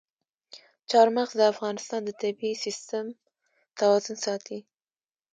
چار مغز د افغانستان د طبعي سیسټم توازن ساتي.